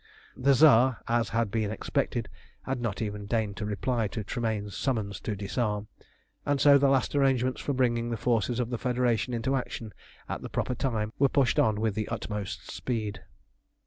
The Tsar, as had been expected, had not even deigned to reply to Tremayne's summons to disarm, and so the last arrangements for bringing the forces of the Federation into action at the proper time were pushed on with the utmost speed.